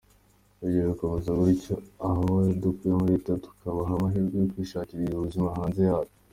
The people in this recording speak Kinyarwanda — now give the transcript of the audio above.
Iyo bikomeza gutyo, abo dukuye muri Leta tukabaha amahirwe yo kwishakishiriza ubuzima hanze yayo.